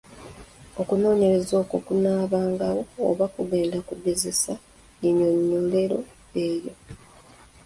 Okunoonyereza okwo kunaabangawo oba kugenda kugezesa nnyinnyonnyolero eyo.